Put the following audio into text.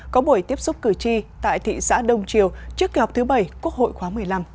có buổi tiếp xúc cử tri tại thị xã đông triều trước kỳ họp thứ bảy quốc hội khóa một mươi năm